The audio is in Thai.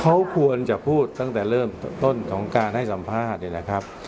เขาควรจะพูดตั้งแต่เริ่มต้นของการให้สัมภาษณ์เนี่ยนะครับ